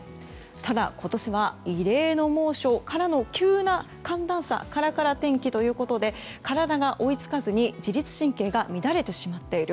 ただ、今年は異例の猛暑からの急な寒暖差カラカラ天気ということで体が追い付かずに自律神経が乱れてしまっている。